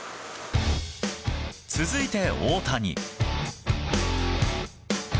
続いて大谷。